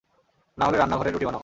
না হলে রান্নাঘরে রুটি বানাও।